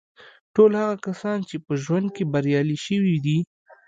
ټول هغه کسان چې په ژوند کې بریالي شوي دي